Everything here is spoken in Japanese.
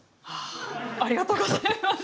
ありがとうございます。